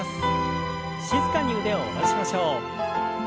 静かに腕を下ろしましょう。